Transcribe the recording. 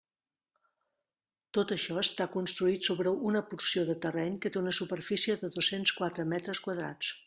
Tot això està construït sobre una porció de terreny que té una superfície de dos-cents quatre metres quadrats.